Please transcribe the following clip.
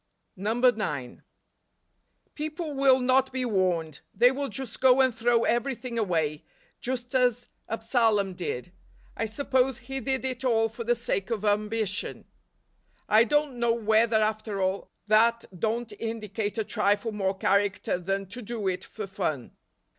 9. People will not be warned ; they will just go and throw everything away, just as Absalom did. I suppose he did it all for the sake of ambition. I doir t know whether, after all, that don't indicate a trifle more character than to do it for fun.